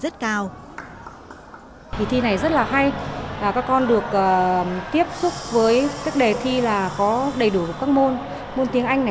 thì thi này rất là hay các con được tiếp xúc với các đề thi là có đầy đủ các môn môn tiếng anh